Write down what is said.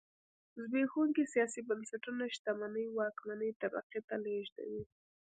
زبېښونکي سیاسي بنسټونه شتمنۍ واکمنې طبقې ته لېږدوي.